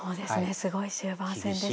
すごい終盤戦でした。